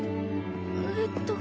えっと。